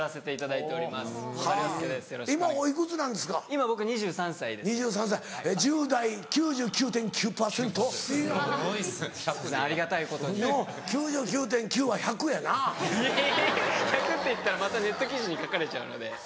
いえいえいえ１００％って言ったらまたネット記事に書かれちゃうので。